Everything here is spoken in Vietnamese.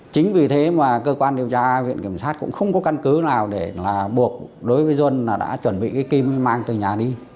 chính vì thế mà cơ quan điều tra viện kiểm sát cũng không có căn cứ nào để là buộc đối với duân đã chuẩn bị cái kim mang từ nhà đi